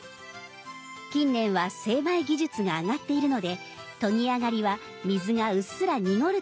近年は精米技術が上がっているのでとぎ上がりは水がうっすら濁る